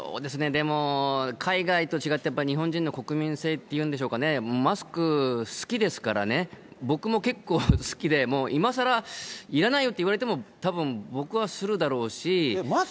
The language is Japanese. でも海外と違って、日本人の国民性というんでしょうかね、マスク好きですからね、僕も結構好きで、いまさらいらないよって言われても、たぶん僕はするだろうし。